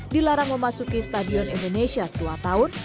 dilarang memasuki stadion indonesia dua tahun